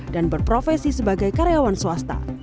dan berprofesi sebagai karyawan swasta